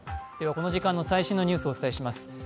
この時間の最新のニュースをお伝えします。